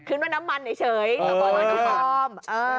คือนวดน้ำมันเฉยห้องนวดที่ออม